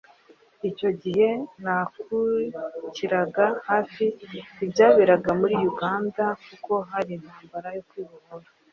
icyo gihe nakurikiriraga hafi ibyaberaga muri Uganda kuko hari intambara yo kwibohora